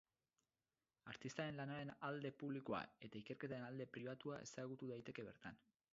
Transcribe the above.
Artistaren lanaren alde publikoa eta ikerketaren alde pribatua ezagutu daiteke bertan.